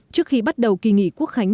trước khi bắt đầu kỳ nghỉ quốc khánh